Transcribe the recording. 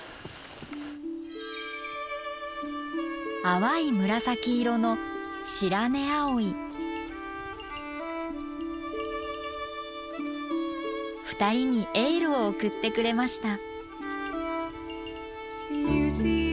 淡い紫色の２人にエールを送ってくれました。